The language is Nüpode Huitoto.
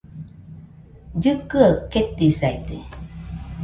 Llikɨaɨ ketisaide